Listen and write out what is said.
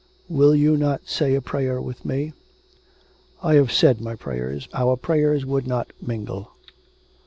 'Will you not say a prayer with me?' 'I have said my prayers. Our prayers would not mingle.'